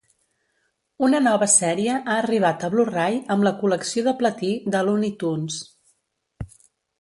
Una nova sèrie ha arribat a Blu-ray amb la col·lecció de platí de Looney Tunes.